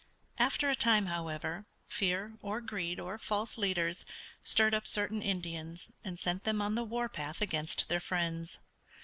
After a time, however, fear or greed or false leaders stirred up certain Indians and sent them on the war path against their friends.